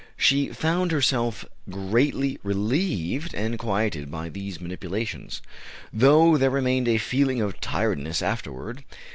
She found herself greatly relieved and quieted by these manipulations, though there remained a feeling of tiredness afterward.